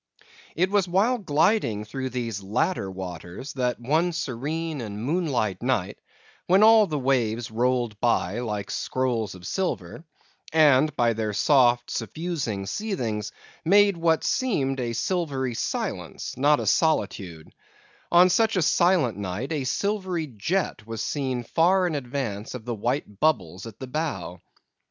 It was while gliding through these latter waters that one serene and moonlight night, when all the waves rolled by like scrolls of silver; and, by their soft, suffusing seethings, made what seemed a silvery silence, not a solitude; on such a silent night a silvery jet was seen far in advance of the white bubbles at the bow.